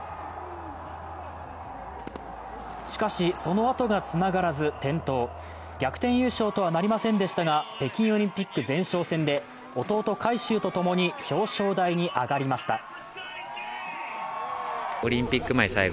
しかし、そのあとがつながらず転倒逆転優勝とはなりませんでしたが北京オリンピック前哨戦で弟・海祝とともに表彰台に上がりました。